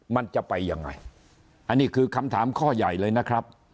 มันจะไปยังไงอันนี้คือคำถามข้อใหญ่เลยนะครับ